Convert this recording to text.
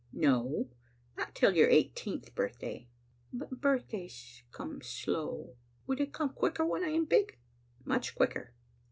"No, not till your eighteenth birthday." "But birthdays comes so slow. Will they come quicker when I am big?" " Much quicker."